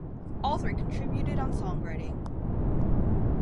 All three contributed on songwriting.